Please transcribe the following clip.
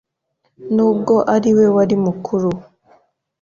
n’ubwo ari we wari mukuru.